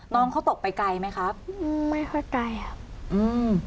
น้องเขาตกไปไกลไหมครับอืมไม่ค่อยไกลครับอืม